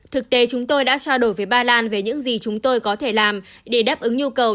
thực tế chúng tôi đã trao đổi với ba lan về những gì chúng tôi có thể làm để đáp ứng nhu cầu